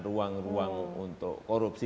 ruang ruang untuk korupsi